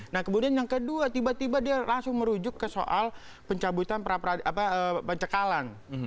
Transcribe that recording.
nah kemudian yang kedua tiba tiba dia langsung merujuk ke soal pencabutan pencekalan